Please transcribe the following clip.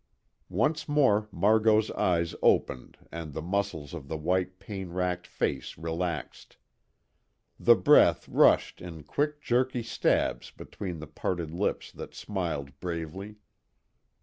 Once more Margot's eyes opened and the muscles of the white pain racked face relaxed. The breath rushed in quick jerky stabs between the parted lips that smiled bravely.